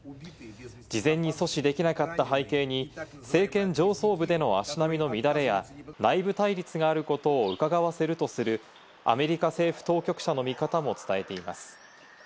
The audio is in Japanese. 事前に阻止できなかった背景に、政権上層部での足並みの乱れや、内部対立があることをうかがわせるとする、アメリカ政府当局者の見方も伝えています。